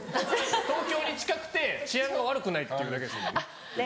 東京に近くて治安が悪くないっていうだけですもんね。